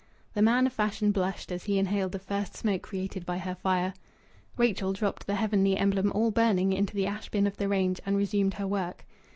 The man of fashion blushed as he inhaled the first smoke created by her fire. Rachel dropped the heavenly emblem, all burning, into the ash bin of the range, and resumed her work.